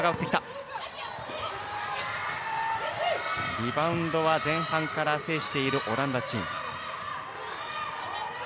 リバウンドは前半から制しているオランダチーム。